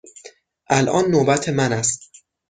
الان نوبت من است.